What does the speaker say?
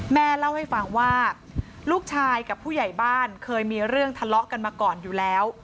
แม่เล่าให้ฟังว่าลูกชายกับผู้ใหญ่บ้านเคยมีเรื่องทะเลาะกันมาก่อนอยู่แล้ว